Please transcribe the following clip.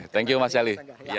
thank you mas siali